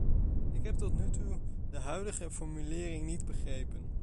Ik heb tot nu toe de huidige formulering niet begrepen.